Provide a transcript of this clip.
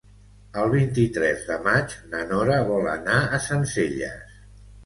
El vint-i-tres de maig na Nora vol anar a Sencelles.